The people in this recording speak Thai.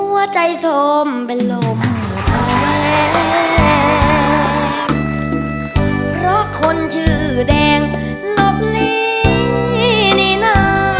หัวใจสมเป็นลบหัวตาแหล่งเพราะคนชื่อแดงนบลีนี่น่ะ